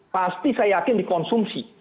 pasti saya yakin dikonsumsi